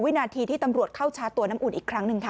นาทีที่ตำรวจเข้าชาร์จตัวน้ำอุ่นอีกครั้งหนึ่งค่ะ